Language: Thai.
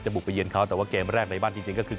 บุกไปเย็นเขาแต่ว่าเกมแรกในบ้านจริงก็คือ